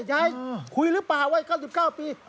ยายคุยหรือเปล่าวัย๙๙ปี